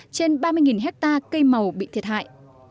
trên ba mươi ha cây màu bị thiệt hại